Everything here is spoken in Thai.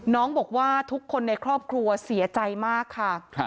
น้องบอกว่าทุกคนในครอบครัวเสียใจมากค่ะ